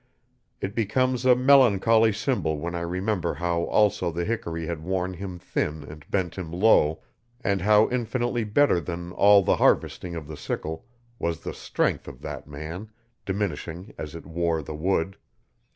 It becomes a melancholy symbol when I remember how also the hickory had worn him thin and bent him low, and how infinitely better than all the harvesting of the sickle was the strength of that man, diminishing as it wore the wood.